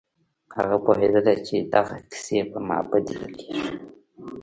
هغه پوهېدله چې دغه کيسې پر ما بدې لگېږي.